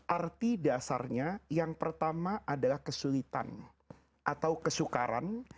arti dasarnya yang pertama adalah kesulitan atau kesukaran